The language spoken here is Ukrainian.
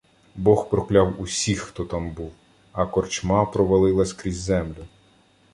Бог прокляв усіх, хто там був, а корчма провалилась крізь землю.